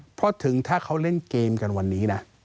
เพราะถึงถ้าเขาเล่นเกมกันวันนี้นะ